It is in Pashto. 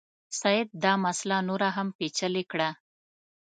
سید دا مسله نوره هم پېچلې کړه.